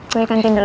gue ikutin dulu